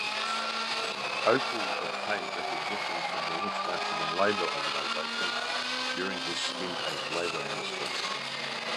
Ople obtained recognition from the International Labour Organization during his stint as Labor Minister.